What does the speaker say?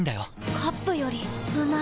カップよりうまい